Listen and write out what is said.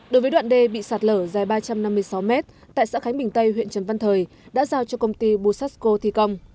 đối với đoạn đê bị sạt lở dài ba trăm năm mươi sáu mét tại xã khánh bình tây huyện trần văn thời đã giao cho công ty busasco thi công